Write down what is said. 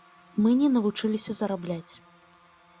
Мы не навучыліся зарабляць.